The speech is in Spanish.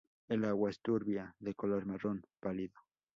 El agua es turbia, de color marrón pálido.